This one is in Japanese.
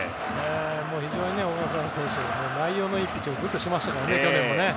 非常に小笠原選手内容のいいピッチングを去年もずっとしてましたからね。